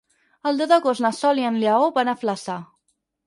El deu d'agost na Sol i en Lleó van a Flaçà.